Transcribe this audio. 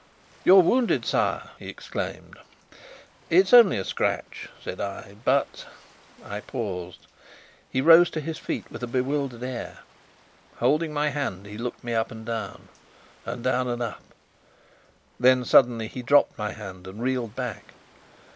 "You're wounded, sire!" he exclaimed. "It's only a scratch," said I, "but " I paused. He rose to his feet with a bewildered air. Holding my hand, he looked me up and down, and down and up. Then suddenly he dropped my hand and reeled back.